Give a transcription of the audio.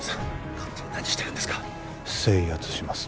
勝手に何してるんですか制圧します